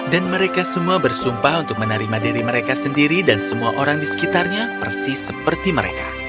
dan mereka semua bersumpah untuk menerima diri mereka sendiri dan semua orang di sekitarnya persis seperti mereka